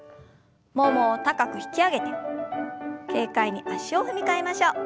ももを高く引き上げて軽快に足を踏み替えましょう。